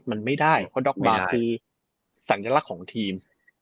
มันไม่ได้เพราะด็อกเมย์คือสัญลักษณ์ของทีม